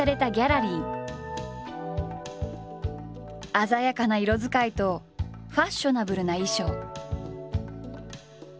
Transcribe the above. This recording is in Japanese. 鮮やかな色使いとファッショナブルな衣装。